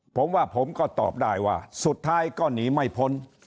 ผมว่าผมก็ตอบได้ว่าสุดท้ายก็หนีไม่พ้น